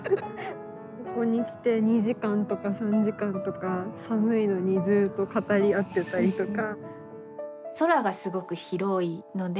ここに来て２時間とか３時間とか寒いのにずっと語り合っていたりとか。